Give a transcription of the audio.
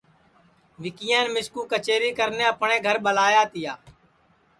وکیان مِسکو کچیری کرنے اپٹؔے گھر ٻلایا تیا